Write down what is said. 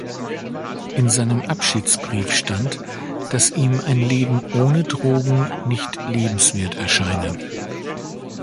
In seinem Abschiedsbrief stand, dass ihm ein Leben ohne Drogen nicht lebenswert erscheine.